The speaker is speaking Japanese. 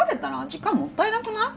時間もったいなくない？